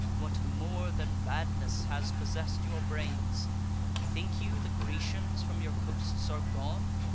What more than madness has possess'd your brains? Think you the Grecians from your coasts are gone?